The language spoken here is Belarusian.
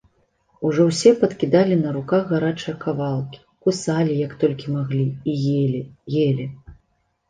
Ужо ўсе падкідалі на руках гарачыя кавалкі, кусалі як толькі маглі і елі, елі.